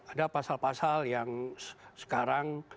ada pasal pasal yang sekarang